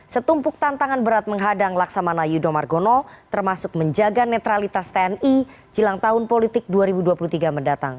setumpuk tantangan berat menghadang laksamana yudho margono termasuk menjaga netralitas tni jelang tahun politik dua ribu dua puluh tiga mendatang